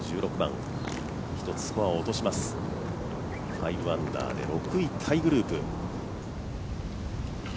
５アンダーで６位タイグループ。